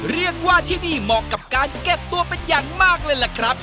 เรียกว่าที่นี่เหมาะกับการเก็บตัวเป็นอย่างมากเลยล่ะครับ